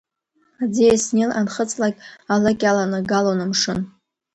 Аӡиас Нил анхыҵлак, алыкь аланагалон амшын.